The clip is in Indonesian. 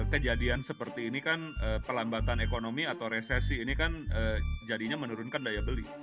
kejadian seperti ini kan pelambatan ekonomi atau resesi ini kan jadinya menurunkan daya beli